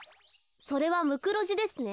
それはムクロジですね。